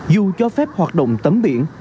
dù cho phép hoạt động tắm biển